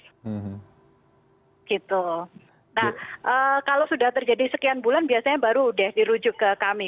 nah kalau sudah terjadi sekian bulan biasanya baru deh dirujuk ke kami